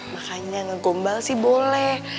makanya nggak gombal sih boleh